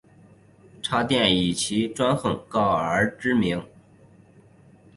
渣甸以其专横高傲而知名。